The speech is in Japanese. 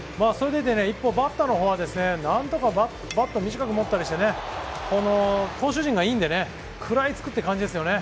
一方バッターのほうは何とかバットを短く持ったりして、投手陣がいいので、食らいつくという感じですよね。